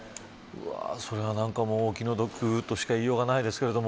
それはお気の毒としか言いようがないですが。